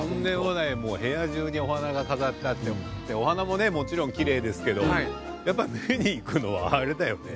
もう部屋中にお花が飾ってあってお花もねもちろんきれいですけどやっぱ目に行くのはあれだよね。